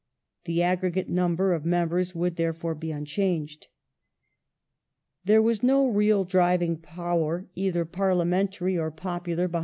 The aggregate number of members would, therefore, be unchanged. There was no real driving power, either parliamentary or ^ Morley, ii.